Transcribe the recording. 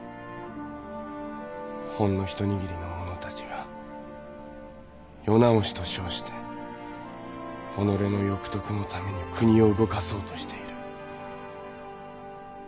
ほんの一握りの者たちが世直しと称して己の欲得のために国を動かそうとしている。